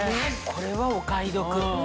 これはお買い得。